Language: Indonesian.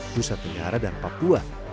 jusa tenggara dan papua